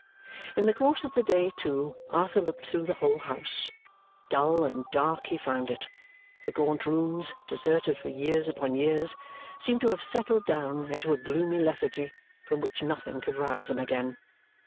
In the course of the day, too, Arthur looked through the whole house. Dull and dark he found it. The gaunt rooms, deserted for years upon years, seemed to have settled down into a gloomy lethargy from which nothing could rouse them again.